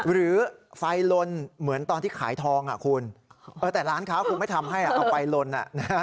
หรือไฟลนเหมือนตอนที่ขายทองอ่ะคุณเออแต่ร้านค้าคงไม่ทำให้อ่ะเอาไฟลนอ่ะนะฮะ